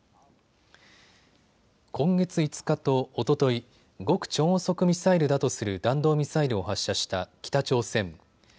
今月５日とおととい、極超音速ミサイルだとする弾道ミサイルを発射した北朝鮮。